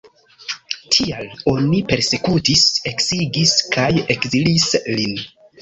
Tial oni persekutis, eksigis kaj ekzilis lin.